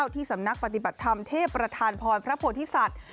ที่สำนักปฏิบัติธรรมเทพประธานพรพระโพธิสัตว์